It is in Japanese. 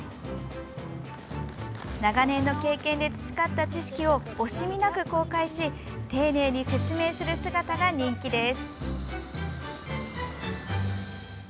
長年の経験で培った知識を惜しみなく公開し丁寧に説明する姿が人気です。